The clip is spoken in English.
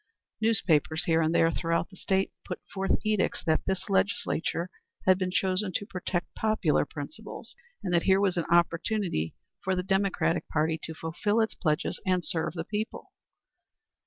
Newspapers here and there throughout the state put forth edicts that this Legislature had been chosen to protect popular principles, and that here was an opportunity for the Democratic party to fulfil its pledges and serve the people.